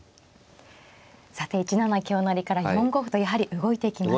さて１七香成から４五歩とやはり動いていきました。